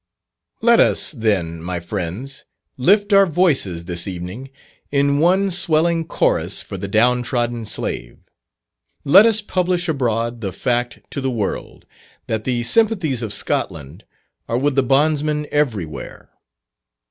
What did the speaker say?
Let us, then, my friends, lift our voices this evening in one swelling chorus for the down trodden slave. Let us publish abroad the fact to the world, that the sympathies of Scotland are with the bondsman everywhere.